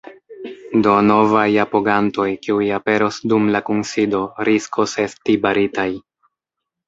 Do novaj apogantoj, kiuj aperos dum la kunsido, riskos esti baritaj.